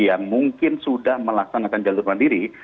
yang mungkin sudah melaksanakan jalur mandiri